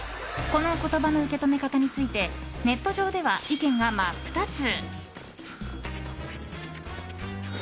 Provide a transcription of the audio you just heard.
この言葉の受け止め方についてネット上では意見が真っ二つ。